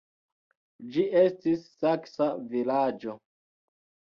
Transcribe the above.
Ĝi estis saksa vilaĝo.